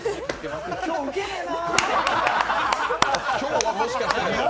今日、ウケねぇな。